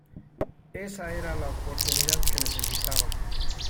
Esa era la oportunidad que necesitaba.